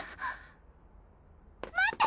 待って！